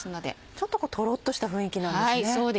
ちょっとこうトロっとした雰囲気なんですね。